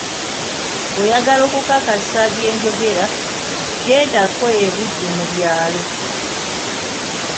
"Nga oyagala okukakasa byenjogera, gendako e Buddu mu byalo."